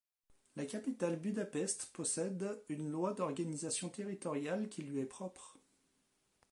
La capitale Budapest possède une loi d'organisation territoriale qui lui est propre.